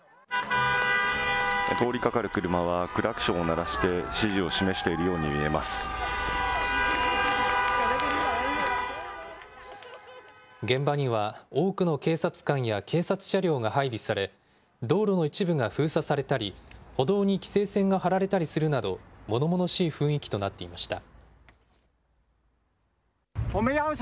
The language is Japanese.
通りかかる車は、クラクションを鳴らして、支持を示している現場には、多くの警察官や警察車両が配備され、道路の一部が封鎖されたり、歩道に規制線が張られたりするなど、ものものしい雰囲気となっていました。